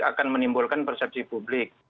akan menimbulkan persepsi publik